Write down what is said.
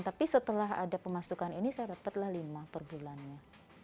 tapi setelah ada pemasukan ini saya dapatlah lima per bulannya